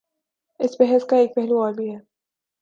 اس بحث کا ایک پہلو اور بھی ہے۔